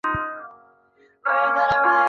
勇拂站日高本线的铁路车站。